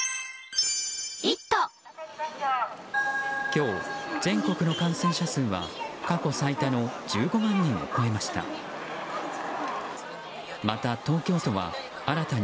今日、全国の感染者数は過去最多の１５万人を超えました。